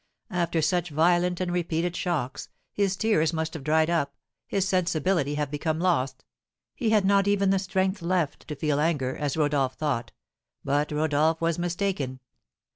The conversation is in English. After such violent and repeated shocks, his tears must have dried up, his sensibility have become lost; he had not even the strength left to feel anger, as Rodolph thought; but Rodolph was mistaken.